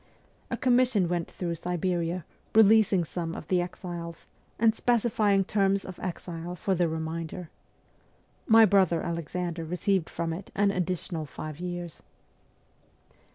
A commission went through Siberia, releasing some of the exiles, and specifying terms of exile for the re mainder. My brother Alexander received from it an additional five years.